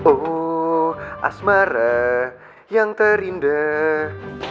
oh asmara yang terindah